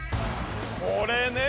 これね！